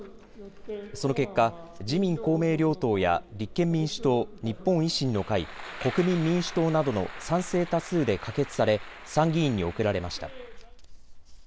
その結果、自民公明両党や立憲民主党、日本維新の会、国民民主党などの賛成多数で可決され参議院に送られました。